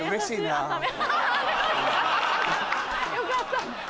よかった。